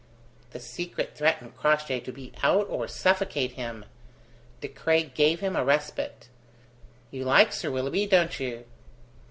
The secret threatened Crossjay to be out or suffocate him. De Craye gave him a respite. "You like Sir Willoughby, don't you?"